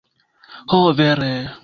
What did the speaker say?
Ho vere...